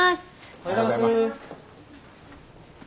おはようございます。